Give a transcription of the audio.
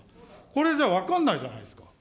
これじゃわかんないじゃないですか。